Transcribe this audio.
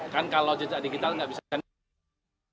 kan kalau jejak digital nggak bisa naik